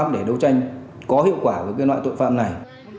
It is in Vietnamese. các biện pháp để đấu tranh có hiệu quả với cái loại tội phạm này